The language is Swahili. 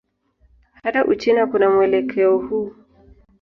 Hata Uchina kuna mwelekeo huu.